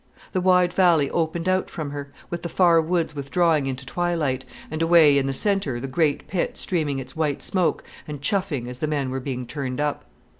The wide valley opened out from her, with the far woods withdrawing into twilight, and away in the centre the great pit streaming its white smoke and chuffing as the men were being turned up.